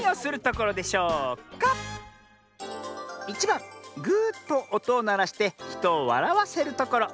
１ばん「ぐとおとをならしてひとをわらわせるところ」。